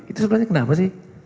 itu sebenarnya kenapa sih